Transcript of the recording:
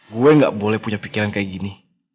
gue gak boleh punya pikiran kayak gini